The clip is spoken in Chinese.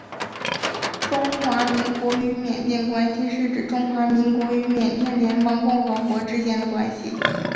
中华民国与缅甸关系是指中华民国与缅甸联邦共和国之间的关系。